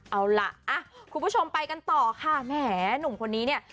เอาล่ะคุณผู้ชมไปกันต่อค่ะแหมหนุ่มคนนี้เนี่ย